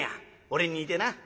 俺に似てな。